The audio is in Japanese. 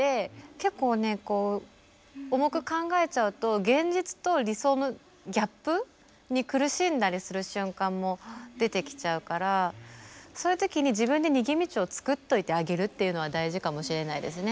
結構ねこう重く考えちゃうと現実と理想のギャップに苦しんだりする瞬間も出てきちゃうからそういうときに自分で逃げ道を作っておいてあげるっていうのは大事かもしれないですね。